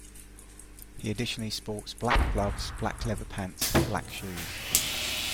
He additionally sports black gloves, black leather pants and black shoes.